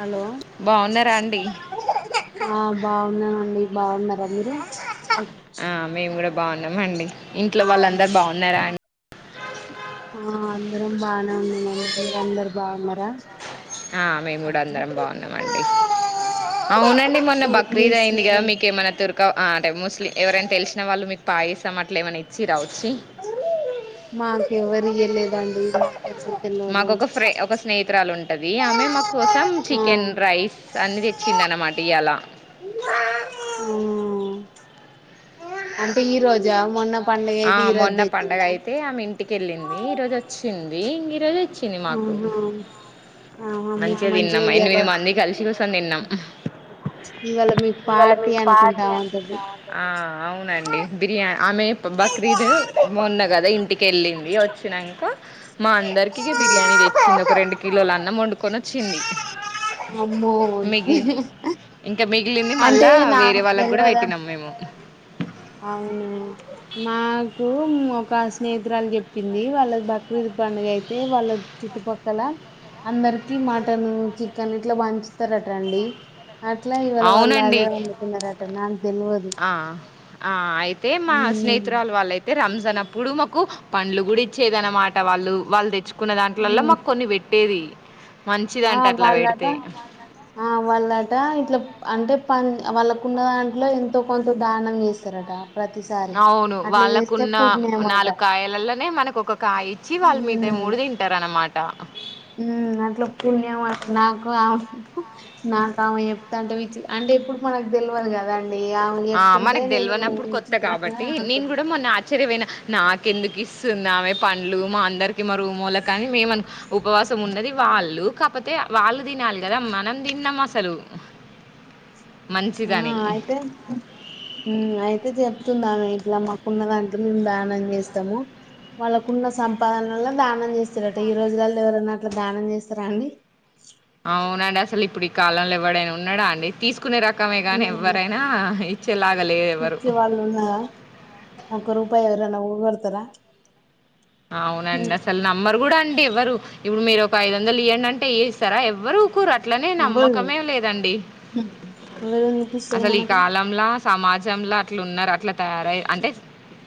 Hello బాగున్నారా అండి ఆ బాగునా అండి బాగున్నారా మీరు ఆ ఆమే కూడా బాగున్నామండి ఇంట్లో వాళ్ళ అందరు బాగున్నారా అండి ఆ అందరం బానే ఉంది మరి మీరందరూ బాగున్నారా ఆ మేము కూడా అందరం బాగున్నామండి అవునండి మొన్న ఏం బక్రీద్ అయింది కదా చేస్తున్నారండి మీకేమన్నా తుర్క అంటే ముస్లిం ఎవరైనా తెలుసు వాళ్ళు మీకు పాయసం అట్లే ఏమన ఇచ్చిరా వచ్చి ఇయలేదండీ మాకు ఒక ఫ్రీ ఒక స్నేహితురాలు ఉ అది అమె మా కోసం ఆ చికెన్ రైస్ సన్ని తెచ్చింది అన్నమాట ఇ్యలా మ్మ్ అంటే ఈ రోజు మొన్న పండుగ ఆ అయితే ఈ మొన్న పండుగ తెచ్చిందా అయితే ఆమె ఇంటికి వెళ్ళింది ఈ రోజు వచ్చింది [unintelligible] చ్చింది మాకు ఆహా ఆహా మీకు మంచిగా తిన్నాం ఇయ్యాల ఎనిమిది మంది కలిసి కూసోనితిన్నాం ఇవాళ మీకు ఇవ్వాలా పార్టీ మీకు అనుకుంటా పార్టీ ఉంటది అనుకుంటా మా అందరికికి బిర్యానీ తెచ్చింది ఒక రెండు కిలోలు అన్నం వండుకొని కొనొచ్చింది అమ్మో ఇంకా మిగిలింది అంటే మళ్ళా వేరే నాకు వాళ్ళకి కూడా తెలవద పెట్టినాం మేము అవును మా ఓం ఒక స్నేహితురాలు చెప్పింది వాళ్ళ బక్రీద్ పండుగ అయితే వాళ్ళ చుట్టుపక్కల అందరికి మటన్ చి కానీ ఇట్లా పంచితరట అండి అట్లా ఇవాళ వాళ్ళు అవునండి అదే వండుకున్నారట నాకు తెల్వదు ఆ ఆ అయితే మా ఉమ్ స్నేహితురాలు వాళ్ళయితే రంజాన్ అప్పుడు మ కు పండ్లు కూడా ఇచ్చేది అన్నమాట వాళ్ళు వాళ్ళు తెచ్ కున్న దాంట్ల్లో ఉమ్ మాకు కొన్ని పెట్ ఏది? ఆ వాళ్ళలాట ఆ వాళ్లాట ఇట్ల అంటే పని వాళ్ళకు ఉన్న దాంట్లో ఎంతో కొంత దానం చేస్తారట ప్రతిసారి అవును అట్లా చేస్తే వాళ్ళకున్న పుణ్యమట నాలుగు కాయలలోనే మనకు ఒక కాయ ఇచ్చి వాళ్ళ మీతా ఉమ్ మూడు తింటారు అన్నమాట. పుణ్యమా నాకు ఆమ్ నాకు ఆమె చెప్తంటే వి అంటే ఎప్పుడు మనకు తెల్వదు కదా ఆ మనకు తెల్వనప్పుడు కొత్త విచిత్రంగా కాబట్టి నేను అనుకున్నా కూడా మొన్న ఆశ్చర్యపోయిన నాకెందుకు సున్నామే పండ్లు మా అందరికి మా రూమోలకి కానీ మేము ఉపవాసం ఉన్నది వాళ్ళు కాకపోతే వాళ్ళు తినాలి కదా మనం తిన్నమా హలో ఆ మంచిదని అయితే అయితే చెప్తుందామ ఇట్లా మాకున్న దాక మేము దానం చేస్తాము వాళ్ళకున్న సంపాదనల్లో దానం చేస్తారట ఈ రోజులలో ఎవరైనా అట్లా దానం చేస్తారా అండి అవునండి అసలు ఇప్పుడు ఈ కాలంలో ఎవ్వడైనా ఉన్నాడా అండి తీసుకు తీసుకునే రకమే గానీ ఉమ్, ఎవ్వరైనా ఇచ్చేలాగ లేరు ఎవరు ఇచ్చే వాళ్ళు ఉన్నారా ఒక [unintelligible] అవునండి అసలు నమ్మరు కూడా అండి ఎవ్వరు ఇప్పుడు మీరు ఒక ఐదు వందలు ఇవ్వండి అంటే ఇ ఇస్తారా ఎవరు అట్లనే ఎవ్వరు నమ్మకమే లేదండి ఎవరెందుకు ఇస్తారు అసలు ఈ మనకు కాలంలా సమాజంలో అట్లు ఉన్నారు అట్లా తయారయ అంటే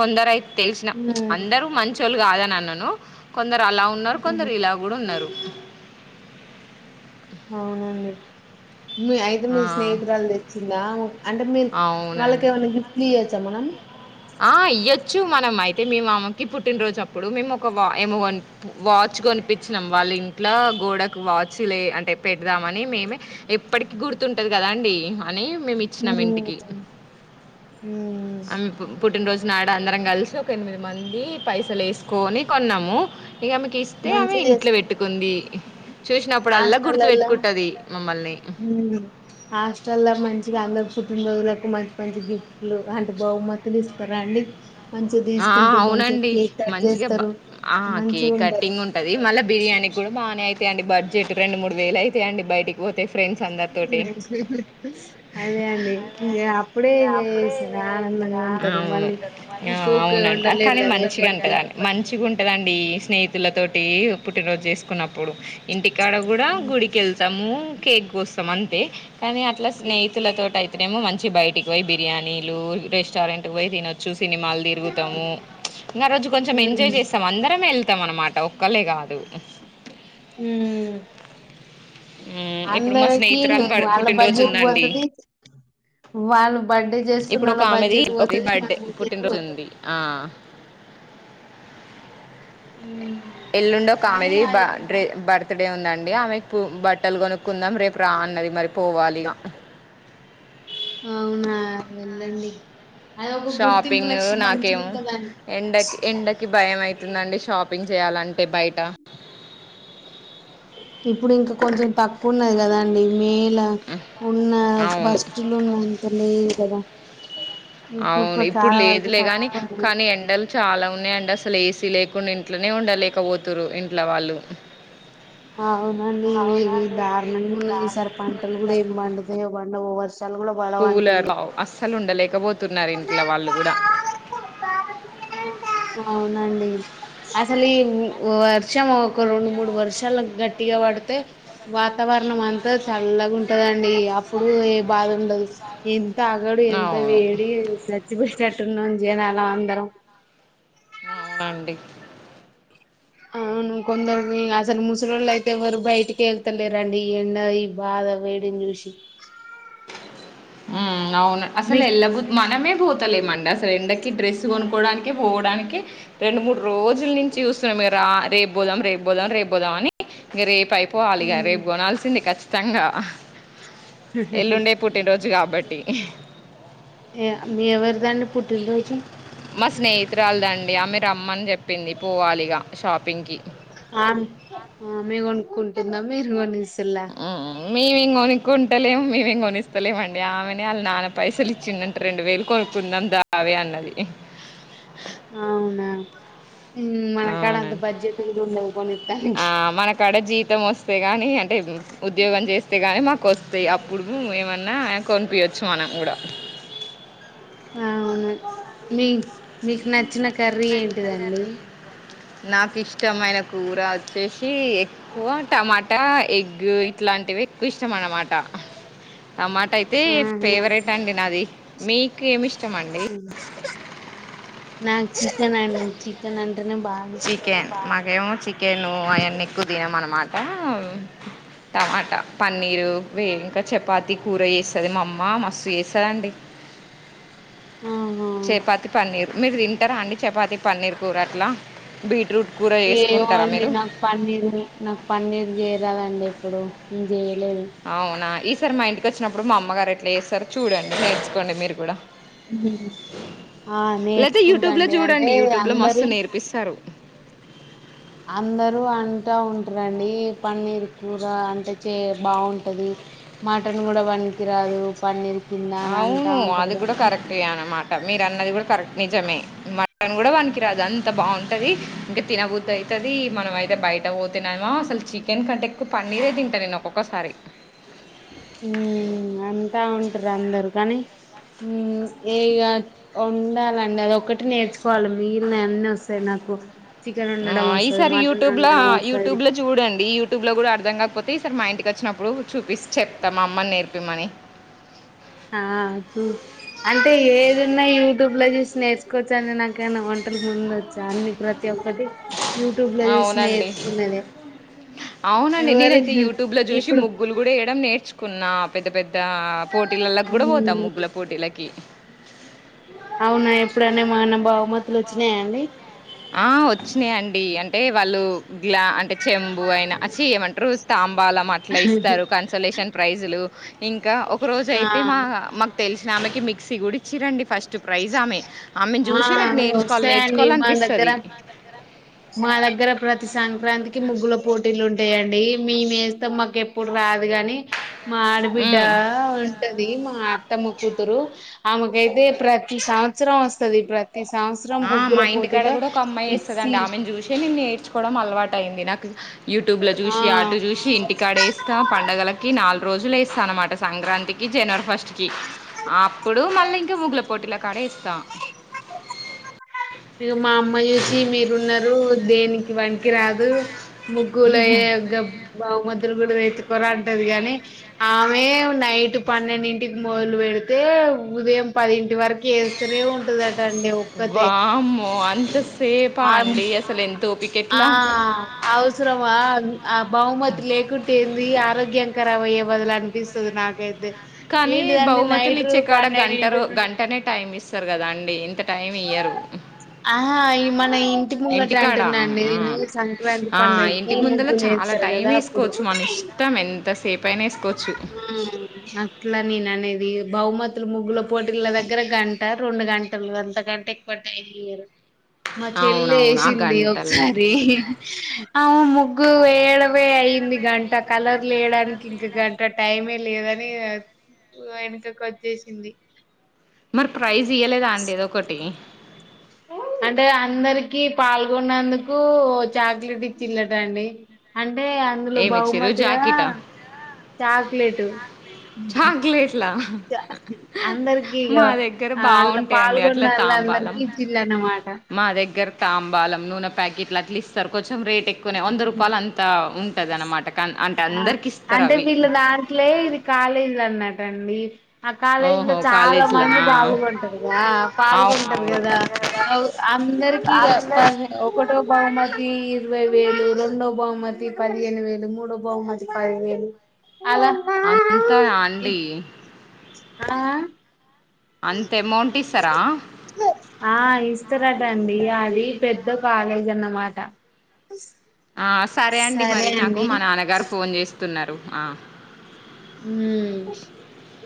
కొందరైతే తెలిసిన ఉమ్, అందరూ మంచి కాదని అన్నను కొంద అలా ఉన్నారు ఉమ్, కొందరు ఇలా కూడా ఉన్నారు. అవునండి మీ అయితే ఆ మీ స్నేహితురాలు తెచ్చిందా అంటే మీరు వాళ్ళకి అవునండి. ఏమైనా గిఫ్ట్లు ఇయొచ్చా మనం? ఆ ఇయ్యొచ్చు మనం అయితే మ మామకి పుట్టినరోజు అప్పుడు మేము ఒక ఏమో వాచ్ కొనిపించినాం వాళ్ళ ఇంట్లో గోడకు వాచ్ లే అంటే పెడదామని మేమే ఎప్పటికి గుర్తుంటది కదండి అని మేము ఇచ్చినాం ఉమ్, ఇంటికి ఉమ్, ఆ పుట్టినరోజు నాడు అందరం కలిసి ఒక ఎనిమిది మంది పైసలు వేసుకొని కొన్నాము ఇక ఆమెకి ఇస్తే ఆమె మంచిగా చేస్ ఇంట్లో పెట్టుకుంది చూసినప్పుడల్లా గుర్తు పెట్టుకుంటది హ అస్టల్ మంచి ఫం కుుటుంబోజులకు మంచి మంచి గిఫ్ట్లు అంటే బహుమతులు ఇస్తారుండి ఆ అవునండి మంచిగా చేస్తారు ఆ మంచిగా కేక్ ఉండరు కటింగ్ ఉంటది మళ్ళా బిర్యానీ కూడా బాగానే అవు అ అడి బడ్జెట్ రెండు మూడు వేల అయితయి అం బటికి పోతే ఫ్రెండ్స్ అందరితోటి అదే అండి ఇంకా అప్పుడే ఏంజాయ్ చేస్తారు ఆనందంగా ఉంటారు అవును మళ్ళీ ఆ ఊకే ఊకే అవునండి ఉండలేరు కానీ కదా ఎప్పటికి మంచిగాంటద మంచిగా ఉంటదండి స్నేహి పల తటి పుట్టిరోజు చేసుకున్నప్పుడు ఇంటికి ఇక్కడ కూడా ఉమ్ గుడికి వెళ్తాము కేక్ కోస్తాం అంతే కానీ అట్లా స్నేహితుల త అయితేనేమో మంచి బయటికి పోయి బిర్యానీలు రెస్టారెంట్ కు పోయి తినొచ్చు సినిమాలు తిరుగుతాము ఇంకా రోజు కొంచెం ఉమ్ ఎంజాయ్ చేస్తాం అందరమే వెళ్తాం అనమాట ఒక్కళ్ళ కాదు హ ఉమ్, ఇప్పుడు మా అందరికి స్నేహితురాలు బ- వాళ్ళ పుట్టినరోజు బడ్జెట్ ఉందండి పోతుది వాన్ ఇప్పుడు ఒక ఆమెది ఒక బర్డ్ మన బడ్జెట్ పుట్టినరోజు పోతది ఉంది ఆ ఉమ్ ఎల్లుండో కానీ కామెది బే అదొక బర్త్ డే ఉందండి అంట అమె బట్టలు కొనుక్కుందాం రేపు రా అన్నది మరి పోవాలిగా వెల్లండి షాపింగ్ నాకేమో మంచిగుంటదండి ఎండకి ఎండకి భయం అయి తుందండి షాపింగ్ చేయాలంటే బయట ఇప్పుడు ఇంకా కొంచెం తక్కువన్నది కదా అండి మే ఇలా ఉన్న అవును బస్లు ఉన్న అంత లేదు కదా అవును కొ- ఇప్పుడు చాలా వరకు లేదులే గాని తక్కువ ఉంది. కానీ ఎండలు చాలా ఉన్నా అండ్ అసలు వేసి లేకుండా ఇంట్లోనే ఉండలేకపోతురు ఇంట్లో వాళ్ళు అవునండి దారుణంగా ఉన్న ఈసారి పంటలు కూడా ఏం పండుత బంండవు కూలర్ అస్సలు ఉండలేకపోతే అవునండి అసలు ఈ వర్షం ఒక రెండు మూడు వర్షాలు గట్టిగా పడితే వాతావరణం అంతా చల్లగా ఉంటదండి అప్పుడు ఏ బాధ ఉండదు ఏం తగడు ఎంత వే అవును చచ్చిపోయేటట్టున్నాం జనాలో అందరం అవునండి అవును కొందరు మీ అస్సలు ముసలోళ్ళయితే ఎవరు బయటికి ఎళ్తలేరండి ఈ ఎండ ఈ బాగా వేడిని చూసి ఉ అవును అస్సలు మీకు ఎల్ల బు మనమే పో త లేమండి అసలు ఎండకి డ్రెస్ కొనుకోవడానికి పోవడానికి రెండు మూడు రోజులు నుంచి చూస్తున్నాం రేపు పోదాం రేపు పోదాం రేపు పోదాం అని ఇంగ రేపు పోవాలిగా రేపు కొనాల్సింది కచ్చి తంగా హు హు హు రోజు కాబట్టి ఏ మీ ఎవరిదండి పుట్టినరోజు మా స్నేహితురాలుదండి ఆమే రమ్మని చెప్ పింది పోవాలిగా ఆమ్ మీ కొనుక్కుంటుందా మీరు కొనిస్ ఇల్ల హ్మ్. మేమేం కొనుక్కుంటలేం మేమేం కొనిస్తలేమండి ఆమెనే వాళ్ళ నాన్న పైసలు ఇచ్చిందంటే రెండు వేలు కొనుక్కుందాం దావే అన్నది అవునా ఉ మన కాడ అంత అవునండి. బడ్జెట్ కూడా ఉండదు కొనిత్తడానికి తమస్తేగానీ అంటే ఉద్యోగం చేస్తే గాని మాకు వస్తాయి అప్పుడు ఏమన్నా కొనిపియచ్చు మనం కూడా అవును మీ మీకు నచ్చిన కర్రీ ఏంటిదండి నాకిష్టమైన కూర వచ్చేసి సి ఎక్కువ టమాటా ఎగ్ ఇట్లాంటివి ఎక్కువ ఇష్టం అన్నమాట టమాటా అయితే ఆహా ఫేవరెట్ అండి నాది మీకి ఏం ఇష్టమండి నాకి చికన్ అన్ చికన్ అన్ చికెన్ నాకేమో చిక్ కే నువ్వు అవన్నీ ఎక్కువ తినమ అన్నమాట టమాటా పన్నీరు వే ఇంకా చపాతి కూర చేస్తది మా అమ్మ మస్తు చేస్తదండి ఆహా చెపాతి పన్నీరు మీరు తింటారా అండి చపాతి పన్నీర్ కూర అట్ల బీట్రూట్ కూర ఏమో చేసుకుంటారా అండి మీరు నాకు పన్నీర్ నాకు పన్నీర్ చే రాదండి ఇప్పుడు మేము చెయ్యం ఆవునా ఇస్ తర్ మా ఇంటికి వచ్చినప్పుడు మా అమ్మగారు ఎట్లా వేస్తారు చూడండి నేర్చుకోండి మీరు కూడా ఉ ఆ లేకపోతే యూట్యూబ్లో నేర్చుకుంటాండి అంటే చూడండి యూట్యూబ్లో మస్తు అందరు నేర్పిస్తారు అందరూ అంటా ఉంటారంండి పన్నీర్ కూర అంటే చే బాగుంటది మటన్ కూడా వనికిరాదు పన్నీర్ కింద అని అంటా అవును ఉంటారు అది కూడా కానీ కరెక్ట్ అనమాట మీరు అన్నది కూడా కరెక్ట్ నిజమే మటన్ కూడా వనికి రాదు అంత బాగుంటది ఇంకా తినబుద్దు అయితది మనం అయితే బయట పో తన్నామా అసలు చికెన్ కంటే ఎక్కువ పన్నీర్ అయి తింటాను నేను ఒక్కొక్కసారి ఉ అంతా ఉం అందరు కానీ ఏ ఇగ ఉండాలండి అది ఒకటి నేర్చు ఫళ మీ ఇ ఎ వస్త నా ఓ ఆ ఈసారి యూట్యూబ్ లో వస్తది యూట్యూబ్ లో చూడండి యూట్యూబ్ లో కూడా అర్థం కాకపో ఈ సార్ మా ఇంటికి వచ్చినప్పుడు చూపిస్త చెప్తాం అమ్మని నేర్పిమని ఆ చూ అంటే ఏదిన్నా యూట్యూబ్ లో చూసి నేర్చుకోవచ్చు అని నాకైనా వంటలు ముందు వచ్చా అన్ని ప్ర అవునండి నేర్చుకున్నదే అవునండి ఎవరు నేనైతే యూట్యూబ్ లో చూసి ఇప్పుడు ముగ్గులు కూడా వయ్యడం నేర్చుకు కున్నా పెద్ద పెద్ పోటీలలోకి కూడా పోతాం మ్మ్ ముగ్గుల పోటీలకి అవునా ఎప్పుడన ఏమన్నా బహుమతులు వచ్చినాయిండి ఆ వచ్చినాయిండి అంటే వాళ్ళు గ్లా అంటే చెంబు అయిన చె యమంటారు తా మ్ బళా అట్లా ఇస్తారు కన్సల్ేషన్ ప్రైజ్లు ఇంకా ఒక రోజు ఆ అయితే మా మాకు తెలుసు ఆమెకి మిక్సీ కూడ చ్చరండి ఫస్ట్ ప్రైజ్ ఆమె ఆమ్మెను ఆ చూసే నాకు నేర్చుకోవా వస్తాయండి నేర్చుకోవాలి మా దగ్గర మా దగ్గర ప్రతి సంక్రాంతికి ముగ్గుల పోటీలు ఉంటాయండి మేము వేస్తాం మాకు ఎప్పుడు రాదు గాని మా ఆడబిడ్డ హ్మ్. ఉంటది మా అత్తమ్మ కూతురు ఆమె అయితే ప్రతి సంవత్సరం వస్తుంది ప్రతి సంవత్సరం ఆ మా ముగ్గుల ఇంటి కడ పోటీలో కూడా ఒక మిక్సీ అమ్మాయిేస్తదండి ఆమెను చూసి నేను నేర్చుకోవడం అలవాట్ టైంది నాక్ యూట్యూబ్ లో చూసి ఆ ఆటు చూసి ఇంటికాడేస్తాం పండగలకి నాలుగు రోజులు వేస్తాం అన్నమాట సంక్రాంతి కి జనవరి ఫస్ట్ కి అప్పుడు మళ్ళీ ఇంకా ముగ్ల పోటీల కాడే ఎస్తా మా అమ్మా చూసి మీరు ఉన్నారు దేనికి పనికి రాదు ముగ్గులయక బహతులు గూడ తెచ్ ర అంటది కాగాని ఆమె నైట్ పన్నెండింటికి మొదలు పెడితే ఉదయం పది ఇటి వరకు వేస్తూనే ఉంటదట అండి ఒక్కతే అంత సేపా ఆ అండి అసలు ఎంత ఓపిక ఆ ఎట్లా అవసరమా ఆ బహుమతి లేకుంటేంది ఆరోగ్యం క వయ్య బదులు అనిపిచస్తుదు నాకు అయితే కానీ బహుమతులు ఇచ్చే కాడ గంట పన్నెండింటి నుంచి గంటనే టైం ఇస్తారు కదా అండి ఇంత టైం ఇయ్యరు ఆ మన ఇంటి ముంగట ఇంటికాడ అంటున్నాండి ఆ, నేను సంక్రాంతి ఆ, పడుగకి ఇంటి ముందర ముగ్గు చాలా లేస్తారు టైం కదా అప్పుడు పైన ఏసుకోవచ్చు ఆ అట్లా నేను అనేది బహుమతులు ముగ్గుల పోటీల దగ్గర గంట రెండు గంటలు అంత కంటే ఎక్కువ టైం ఇయ్యరు మా చెల్లి అవునవును ఆ వేసింది గంటలనే ఒకసారి ఆమ ముగ్గు వేడవే అయింది గంట కలర్లు వయడానికి ఇంక టైమే లేదని వెనకకి వచ్చేసింది మరి ప ట్రై చేయలేదా అండి ఏదో ఒకటి అంటే అందరికి పాల్గొన్నందుకు చాక్లెట్ ఇచ్చిలట అండి అంటే అంటే అందులో ఏమి బహుమతిగా చా చాక్లెట్ల అందరికి ఇగ మా దగ్గర అలా బాగుంటాయిండి అట్లా తాంబాలం పాల్గొన్నోళ్ళందరికి ఇచ్చిల్లన్నమాట మా దగ్గర తాంబాలం నూనె పకెట్లా అట్లీ సకో రేట్ ఎక్కువ వంద రూపాయలుంతా ఉ కాదనమాట అంటే వీలు నా అట్లే ఇది కాలేజీ అన్నటండి ఆ కాలేజీ లో ఓహో చాలా మంది కాలేజీలనా పాల్గొంటారుగాద పాల్గొంటారు అవునవును కదా అందరికి ఒకటో బ ఇరవై వేలు రెండో బహుమతి పదిహేను వేలు మూడో బహుమతి బహుమతి పెయిల్మిన్ అంతాత ఆన్డి ఆహ అంత అమౌంట్ ఇస్తారా ఆ ఇస్తారదండి ఆది పెద్ద పాలైదన్నమాట ఆ సరే అండి మరి నాకు మా నాన్నగారు ఫోన్ చేస్తున్నారు ఆ ఉమ్